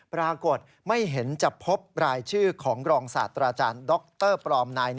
ปรากฏไม่เห็นจะพบรายชื่อของรองศัตริ์อาจารย์ด็อกเตอร์ปลอมนาย